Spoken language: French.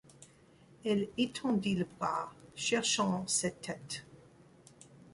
Elle étendit le bras, cherchant cette tête...